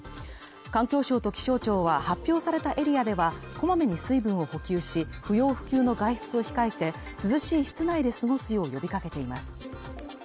環境省と気象庁は発表されたエリアでは、こまめに水分を補給し、不要不急の外出を控えて、涼しい室内で過ごすよう呼びかけています。